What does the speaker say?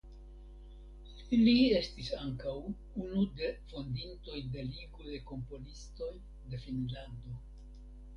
Li estis ankaŭ unu de fondintoj de Ligo de Komponistoj de Finnlando.